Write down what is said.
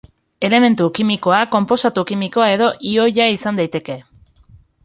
Elementu kimikoa, konposatu kimikoa edo ioia izan daiteke.